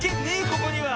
ここには。